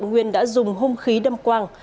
nguyên đã dùng hôm khí đâm quang